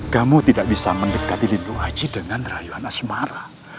kamu tidak bisa mendekati lindo aji dengan raih yohana sumara